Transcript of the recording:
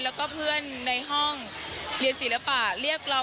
แล้วก็เพื่อนในห้องเรียนศิลปะเรียกเรา